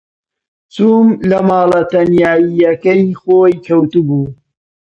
چووم لە ماڵە تەنیایییەکەی خۆی کەوتبوو.